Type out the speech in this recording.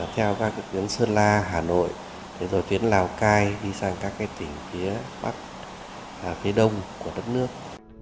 theo các tuyến sơn la hà nội rồi tuyến lào cai đi sang các tỉnh phía bắc phía đông của đất nước